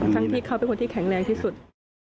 ที่เขาเป็นคนที่แข็งแรงที่สุด